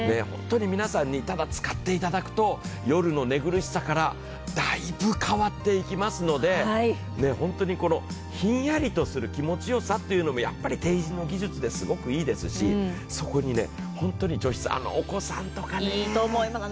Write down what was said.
皆さんに使っていただくと、夜の寝苦しさからだいぶ変わっていきますので、本当にひんやりとする気持ちよさというのもＴＥＩＪＩＮの技術ですごくいいですし、そこに本当に除湿、お子さんとか、いいと思います。